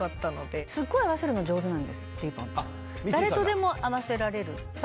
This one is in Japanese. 誰とでも合わせられる。